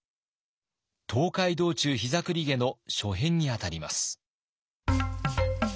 「東海道中膝栗毛」の初編にあたります。